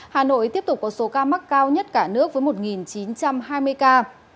hà nội tiếp tục có số ca mắc cao nhất cả nước với một chín trăm hai mươi ca